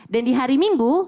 dan di hari minggu